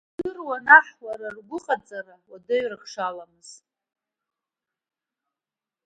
Идыруан аҳ ауаа ргәыҟаҵара уадаҩрак шаламыз.